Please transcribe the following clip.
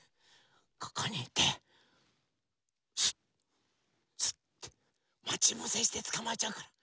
ここにいてスッスッてまちぶせしてつかまえちゃうから。